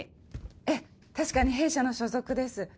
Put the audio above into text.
ええ確かに弊社の所属です。